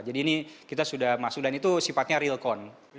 jadi ini kita sudah masuk dan itu sifatnya realcon